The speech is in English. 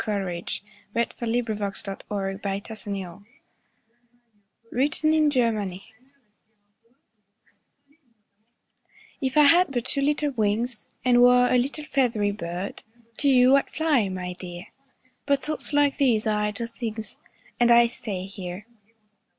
SOMETHING CHILDISH, BUT VERY NATURAL[313:1] WRITTEN IN GERMANY If I had but two little wings And were a little feathery bird, To you I'd fly, my dear! But thoughts like these are idle things, And I stay here.